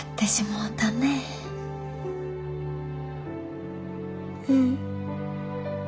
うん。